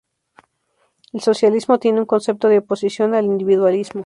El socialismo tiene un concepto de oposición al individualismo.